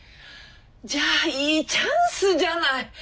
じゃあいいチャンスじゃない。